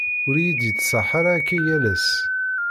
ur iyi-d-yettṣaḥ ara akka yal ass.